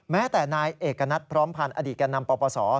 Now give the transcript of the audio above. แม้แต่นายเอกณัติพร้อมผ่านอดีตการนำปรปศ